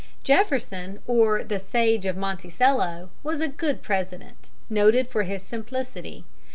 Jefferson, or the Sage of Monticello, was a good President, noted for his simplicity.